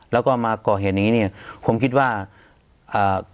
แล้วก็มาก่อเหตุอย่างงี้เนี้ยผมคิดว่าอ่า